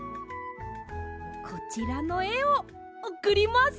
こちらのえをおくります。